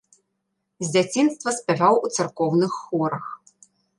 З дзяцінства спяваў у царкоўных хорах.